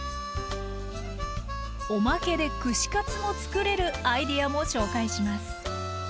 おまけで串カツもつくれるアイデアも紹介します。